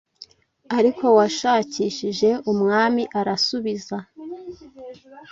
Ariko washakishije Umwami arasubiza